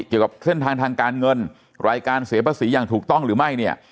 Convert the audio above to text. เกี่ยวกับเส้นทางทางการเงินรายการเสียภาษีอย่างถูกต้องหรือไม่เนี่ย